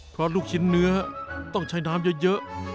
เพราะลูกชิ้นเนื้อต้องใช้น้ำเยอะ